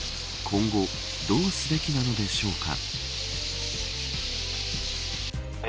今後どうすべきなのでしょうか。